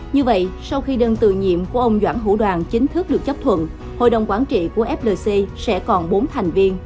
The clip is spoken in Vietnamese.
như vậy sau khi đơn tự nhiệm của ông doãn hữu đoàn chính thức được chấp thuận hội đồng quản trị của flc sẽ còn bốn thành viên